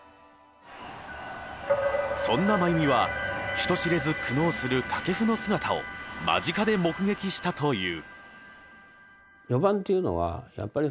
そんな真弓は人知れず苦悩する掛布の姿を間近で目撃したという。